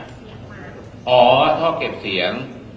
อ๋อเข้าเก็บเสียง